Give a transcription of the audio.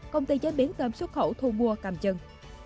công ty chế biến tâm xuất khẩu thu mua cầm chân